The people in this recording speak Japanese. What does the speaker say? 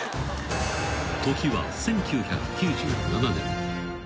［時は１９９７年］